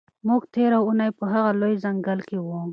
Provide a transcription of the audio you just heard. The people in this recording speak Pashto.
موږ تېره اونۍ په هغه لوی ځنګل کې وو.